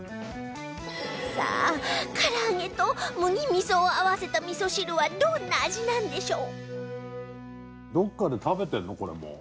さあからあげと麦味噌を合わせた味噌汁はどんな味なんでしょう？